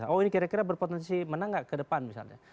oh ini kira kira berpotensi menang nggak ke depan misalnya